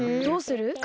どうする？